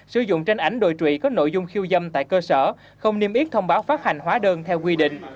sử dụng trên ảnh đồi trụy có nội dung khiêu dâm tại cơ sở không niêm yết thông báo phát hành hóa đơn theo quy định